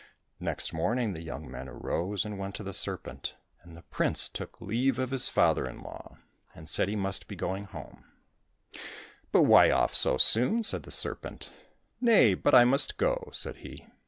Next morning the young men arose and went to the serpent, and the prince took leave of his father in law, and said he must be going home. 280 IVAN GOLIK AND THE SERPENTS '' But why off so soon ?" said the serpent. " Nay, but I must go," said he.